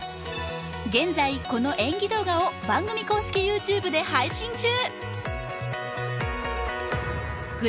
現在この演技動画を番組公式ＹｏｕＴｕｂｅで配信中